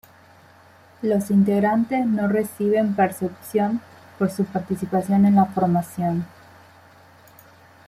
Los integrantes no reciben percepción por su participación en la formación.